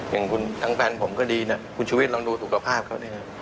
อย่างคุณทั้งแฟนผมก็ดีนะคุณชุวิตลองดูสุขภาพเขาเนี่ยนะ